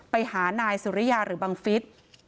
ไปหานายสุริยาหรือบังฟิศ